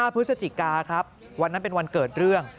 พฤศจิกาครับวันนั้นเป็นวันเกิดเรื่อง